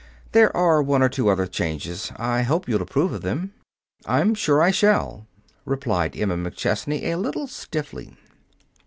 There are one or two other changes. I hope you'll approve of them." "I'm sure I shall," replied Emma McChesney, a little stiffly.